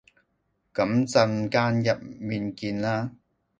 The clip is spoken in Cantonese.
噉陣間入面見啦